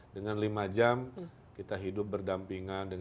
dengan lima jam kita hidup berdampingan